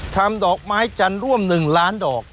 ดอกไม้จันทร์ร่วม๑ล้านดอก